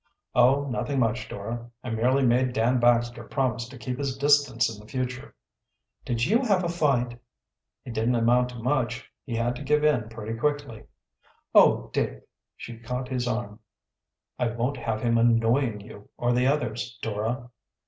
"Oh, nothing much, Dora. I merely made Dan Baxter promise to keep his distance in the future." "Did you have a fight?" "It didn't amount to much. He had to give in pretty quickly." "Oh, Dick!" She caught his arm. "I won't have him annoying you, or the others, Dora."